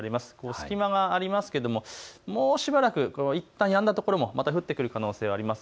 隙間がありますけれどもいったんやんだ所、また降ってくる可能性があります。